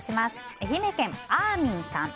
愛媛県の方。